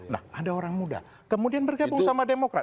nah ada orang muda kemudian bergabung sama demokrat